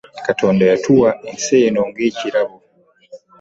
Katonda yatuwa ensi eno ng'ekirabo.